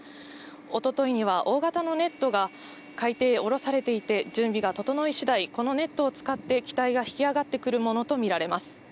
おとといには大型のネットが海底へ降ろされていて、準備が整いしだい、このネットを使って機体が引き揚がってくるものと見られます。